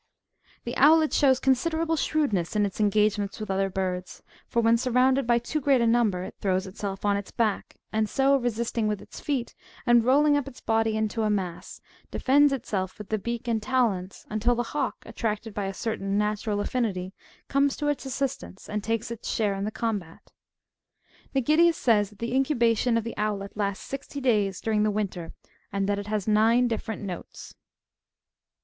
The owlet shows considerable shrewdness in its engage ments with other birds ; for when surrounded by too great a number, it throws itself on its back, and so, resisting with its feet, and rolling up its body into a mass, defends itself with the beak and talons ; until the hawk, attracted by a certain natural affinity, comes to its assistance, and takes its share in the combat. Mgidius says, that the incubation of the owlet lasts sixty days, during the winter, and that it has nine differ ent notes.